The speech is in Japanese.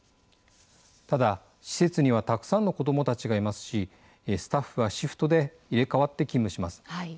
ただ施設にはたくさんの子どもたちがいますしスタッフはシフトで入れかわって勤務します。